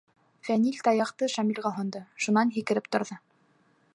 Фәнил таяҡты Шамилға һондо, шунан һикереп торҙо: